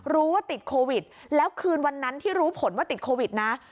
รู้ว่าติดโควิดแล้วคืนวันนั้นที่รู้ผลว่าติดโควิดนะ